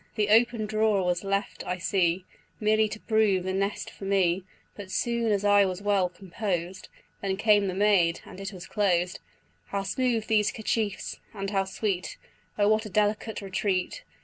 The open drawer was left, I see, Merely to prove a nest for me, For soon as I was well composed, Then came the maid, and it was closed, How smooth these 'kerchiefs, and how sweet! O what a delicate retreat!